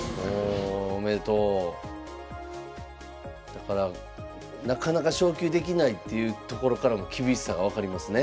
だからなかなか昇級できないっていうところからも厳しさが分かりますね。